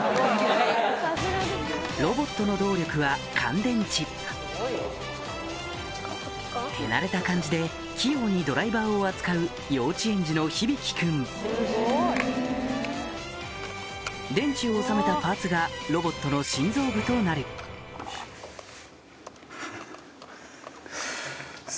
ロボットの動力は乾電池手慣れた感じで器用にドライバーを扱う幼稚園児のひびきくん電池を収めたパーツがロボットの心臓部となるハハハ。